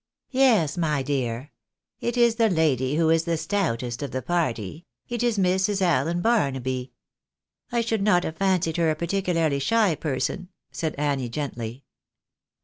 " Yes, my dear, it is the lady who is the stoutest of the party ; it is Mrs. Allen Barnaby." " I should not have fancied her a particularly shy person," said Annie, gently.